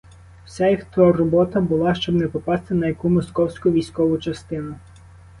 Вся їх турбота була — щоб не попасти на яку московську військову частину.